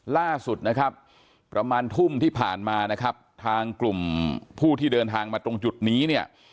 ล่าสุดประมาณทุ่มที่ผ่านมาทางกลุ่มผู้ที่เดินทางมาตรงจุดนี้